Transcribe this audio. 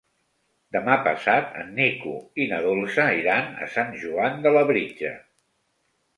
Demà passat en Nico i na Dolça iran a Sant Joan de Labritja.